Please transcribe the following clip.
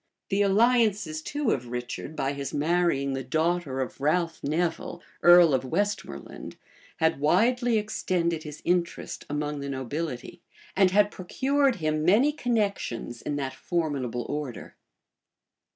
The alliances too of Richard, by his marrying the daughter of Ralph Nevil, earl of Westmoreland, had widely extended his interest among the nobility, and had procured him many connections in that formidable order.